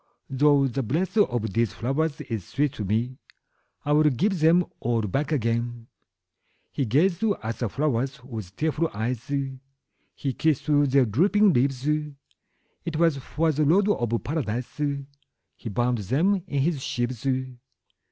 Though the breath of these flowers is sweet to me, I will give them all back again.'' He gazed at the flowers with tearful eyes, He kissed their drooping leaves; It was for the Lord of Paradise He bound them in his sheaves.